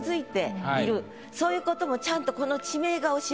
そういうこともちゃんとこの。